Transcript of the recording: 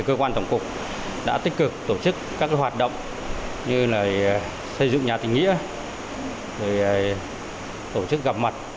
cơ quan tổng cục đã tích cực tổ chức các hoạt động như là xây dựng nhà tỉnh nghĩa rồi tổ chức gặp mặt